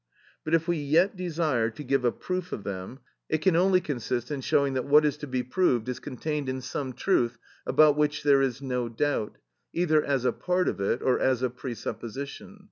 But if we yet desire to give a proof of them, it can only consist in showing that what is to be proved is contained in some truth about which there is no doubt, either as a part of it or as a presupposition.